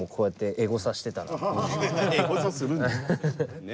エゴサするんだ。